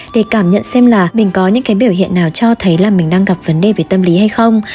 để cảm nhận xem là mình có những cái biểu hiện nào cho thấy là mình đang gặp vấn đề về tâm lý hay không